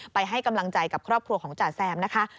ให้กำลังใจกับครอบครัวของจ่าแซมนะคะ